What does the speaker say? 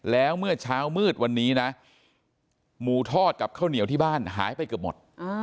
แล้วเมื่อเช้ามืดวันนี้นะหมูทอดกับข้าวเหนียวที่บ้านหายไปเกือบหมด